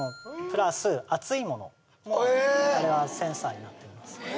プラス熱いものもあれはセンサーになっています